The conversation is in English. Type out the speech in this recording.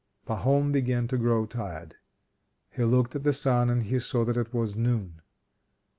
Pahom began to grow tired: he looked at the sun and saw that it was noon.